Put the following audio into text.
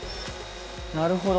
なるほど。